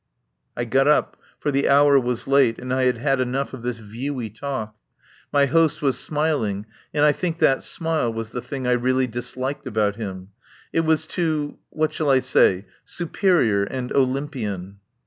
I got up, for the hour was late, and I had had enough of this viewy talk. My host was smiling, and I think that smile was the thing I really disliked about him. It was too — what shall I say? — superior and Olympian.